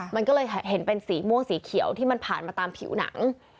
มันก็เลยเห็นเป็นสีม่วงสีเขียวที่มันผ่านมาตามผิวหนัง